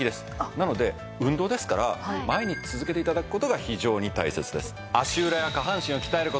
なので運動ですから毎日続けて頂く事が非常に大切です。